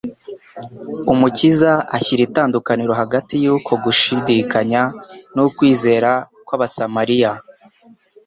Umukiza ashyira itandukaniro hagati y'uko gushidikanya n'ukwizera kw'abasamariya,